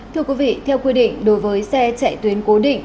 thưa quý vị theo quy định đối với xe chạy tuyến cố định